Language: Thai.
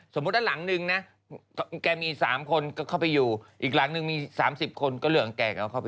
สมมุติว่าหลังนึงนะแกมี๓คนก็เข้าไปอยู่อีกหลังนึงมี๓๐คนก็เหลืองแกเข้าไปอยู่